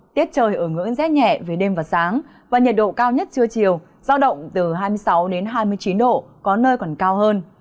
tiết trời ở ngưỡng rét nhẹ về đêm và sáng và nhiệt độ cao nhất trưa chiều giao động từ hai mươi sáu hai mươi chín độ có nơi còn cao hơn